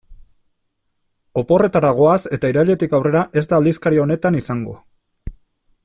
Oporretara goaz eta irailetik aurrera ez da aldizkari honetan izango.